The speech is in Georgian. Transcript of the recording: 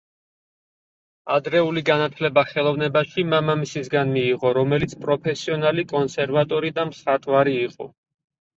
ადრეული განათლება ხელოვნებაში მამამისისგან მიიღო, რომელიც პროფესიონალი კონსერვატორი და მხატვარი იყო.